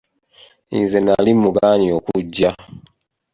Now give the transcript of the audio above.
Nze nali mugaanyi okujja.